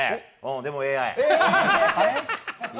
でもＡＩ！